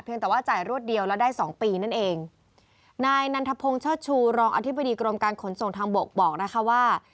แต่ว่าจ่ายรวดเดียวแล้วได้สองปีนั่นเองนายนันทพงศ์เชิดชูรองอธิบดีกรมการขนส่งทางบกบอกนะคะว่า